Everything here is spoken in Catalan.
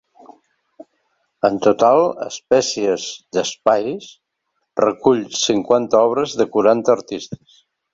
En total ‘Espècies d’espais’ recull cinquanta obres de quaranta artistes.